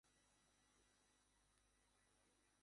এক-এগারোর পর রাজনীতি থেকে নিজেকে গুটিয়ে নেন তিনি।